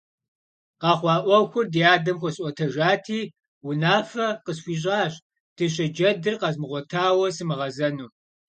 Къэхъуа Ӏуэхур ди адэм хуэсӀуэтэжати, унафэ къысхуищӀащ дыщэ джэдыр къэзмыгъуэтауэ сымыгъэзэну.